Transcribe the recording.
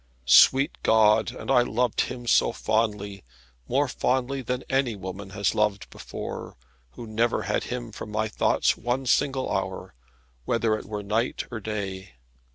Sweet God, and I loved him so fondly, more fondly than any woman has loved before; who never had him from my thoughts one single hour, whether it were night or day.